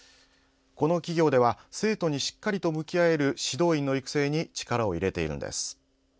この企業では生徒にしっかりと向き合える指導員の育成に力を入れているんです。